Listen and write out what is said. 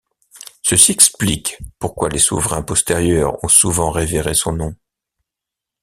Ceci explique pourquoi les souverains postérieurs ont souvent révéré son nom.